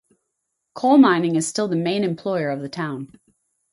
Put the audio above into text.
Coal mining is still the main employer of the town.